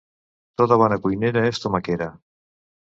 Tota bona cuinera és tomaquera.